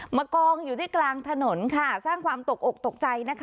กองอยู่ที่กลางถนนค่ะสร้างความตกอกตกใจนะคะ